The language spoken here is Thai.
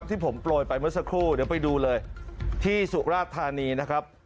ที่ผมโปรยไปเมื่อสักครู่เดี๋ยวไปดูเลยที่สุราธานีนะครับ